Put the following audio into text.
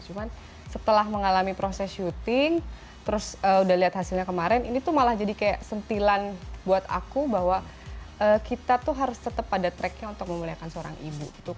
cuman setelah mengalami proses syuting terus udah lihat hasilnya kemarin ini tuh malah jadi kayak sentilan buat aku bahwa kita tuh harus tetap ada tracknya untuk memuliakan seorang ibu